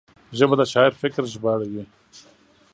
ژبه د شاعر فکر ژباړوي